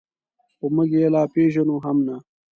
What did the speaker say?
خو موږ یې لا پېژنو هم نه.